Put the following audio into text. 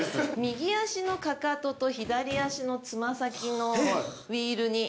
右足のかかとと左足の爪先のウィールに乗って。